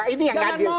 ini yang ngadi